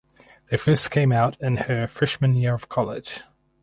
They first came out in her freshman year of college.